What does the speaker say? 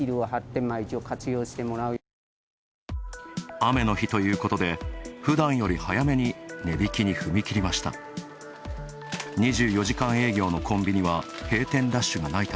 雨の日ということもあり、ふだんより早めに値引きに踏み切りました。